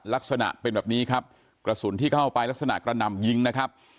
ลักษณะเป็นแบบนี้ครับกระสุนที่เข้าไปลักษณะกระหน่ำยิงนะครับ